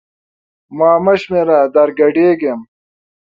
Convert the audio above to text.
ما مه شمېره در ګډ یم!